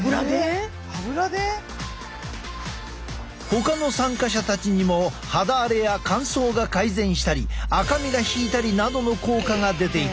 ほかの参加者たちにも肌荒れや乾燥が改善したり赤みが引いたりなどの効果が出ていた。